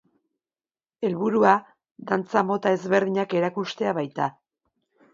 Helburua, dantza mota ezberdinak erakustea baita.